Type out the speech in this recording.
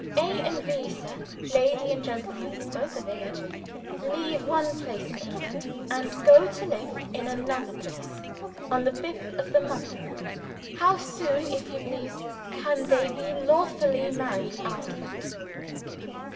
"A and B, sir, lady and gentleman, both of age, leave one place in England, and go to live in another place, on the fifth of this month how soon, if you please, can they be lawfully married after that?"